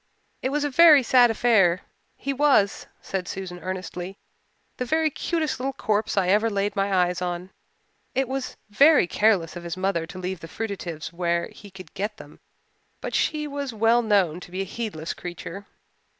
It was a very sad affair. He was," said Susan earnestly, "the very cutest little corpse I ever laid my eyes on. It was very careless of his mother to leave the fruitatives where he could get them, but she was well known to be a heedless creature.